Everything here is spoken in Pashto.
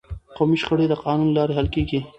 قومي شخړې د قانون له لارې حل کیږي.